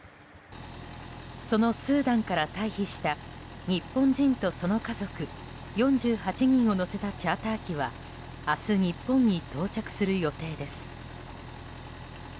そのスーダンから退避した日本人とその家族４８人を乗せたチャーター機は明日、日本に到着する予定です。